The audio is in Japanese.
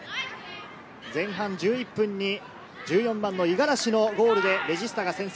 前半１１分に１４番の五十嵐のゴールでレジスタが先制。